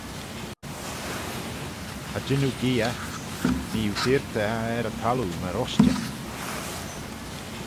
"Cha jean oo gee eh; nee oo deayrtey eh er y thalloo myr ushtey."